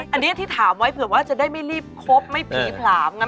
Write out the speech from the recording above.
อันนี้ที่ถามไว้เผื่อว่าจะได้ไม่รีบคบไม่ผีผลามไง